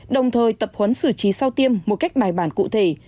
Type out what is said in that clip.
đồng thời tập huấn xử trí sau tiêm một cách bài bản cụ thể